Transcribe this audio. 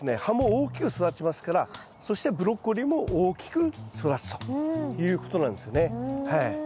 葉も大きく育ちますからそしてブロッコリーも大きく育つということなんですよね。